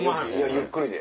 ゆっくりで。